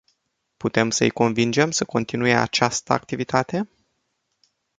Putem să-i convingem să continue această activitate?